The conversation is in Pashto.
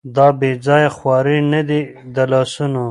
دا بېځايه خوارۍ نه دي د لاسونو